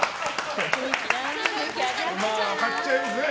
買っちゃいますね。